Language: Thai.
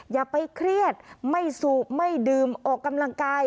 อย่าไปเครียดไม่สูบไม่ดื่มออกกำลังกาย